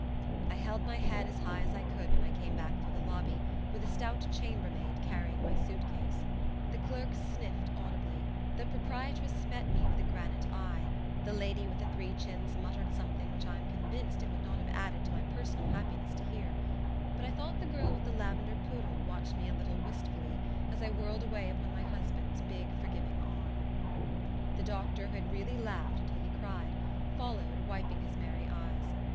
I held my head as high as I could when I came back through the lobby, with a stout chambermaid carrying my suit case. The clerk sniffed audibly; the proprietress met me with a granite eye; the lady with the three chins muttered something which I am convinced it would not have added to my personal happiness to hear; but I thought the girl with the lavender poodle watched me a little wistfully as I whirled away upon my husband's big forgiving arm. The doctor, who had really laughed until he cried, followed, wiping his merry eyes.